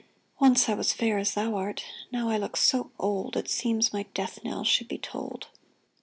Once I was fair As thou art. Now I look so old It seems my death knell should be tolled.